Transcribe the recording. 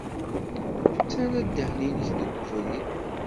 Ttarra ddehn-nnek deg webrid.